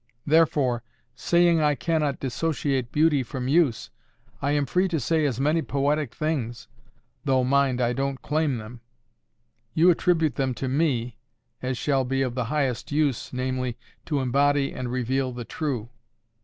Therefore, saying I cannot dissociate beauty from use, I am free to say as many poetic things—though, mind, I don't claim them: you attribute them to me—as shall be of the highest use, namely, to embody and reveal the true.